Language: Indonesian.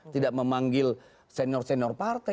tidak memanggil senior senior partai